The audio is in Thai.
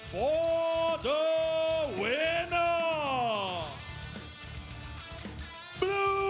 เพื่อวินาที